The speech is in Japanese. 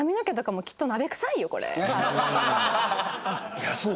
いやそう？